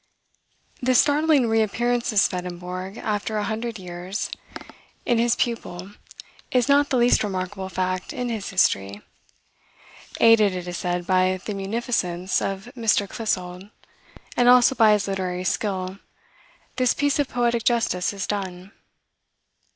This startling reappearance of Swedenborg, after a hundred years, in his pupil, is not the least remarkable fact in his history. Aided, it is said, by the munificence of Mr. Clissold, and also by his literary skill, this piece of poetic justice is done.